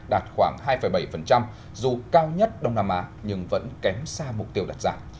đạt khoảng hai bảy dù cao nhất đông nam á nhưng vẫn kém xa mục tiêu đạt giảm